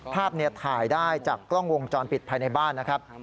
ภาพนี้ถ่ายได้จากกล้องวงจรปิดภายในบ้านนะครับ